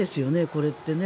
これってね。